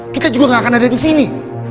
kita juga gak akan ada disini